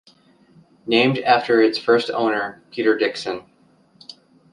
Named after its first owner Peter Dixon.